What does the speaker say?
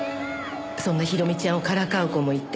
そんなひろみちゃんをからかう子もいて。